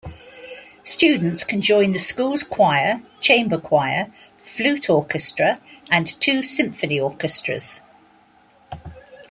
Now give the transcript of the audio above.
Students can join the school's choir, chamber choir, flute orchestra, and two symphony orchestras.